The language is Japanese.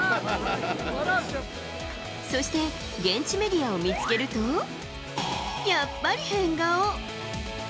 そして、現地メディアを見つけると、やっぱり変顔。